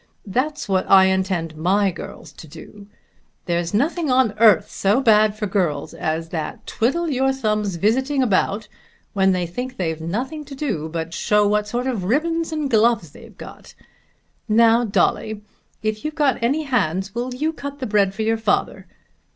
That's what I intend my girls to do. There's nothing on earth so bad for girls as that twiddle your thumbs visiting about when they think they've nothing to do but to show what sort of ribbons and gloves they've got. Now, Dolly, if you've got any hands will you cut the bread for your father?